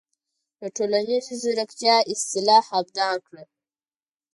د"ټولنیزې زیرکتیا" اصطلاح ابداع کړه.